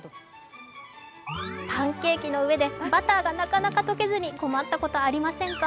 パンケーキの上でバターがなかなか溶けずに困ったことありませんか？